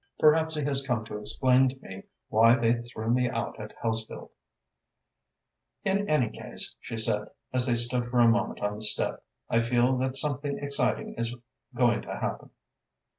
Perhaps he has come to explain to me why they threw me out at Hellesfield." "In any case," she said, as they stood for a moment on the step, "I feel that something exciting is going to happen."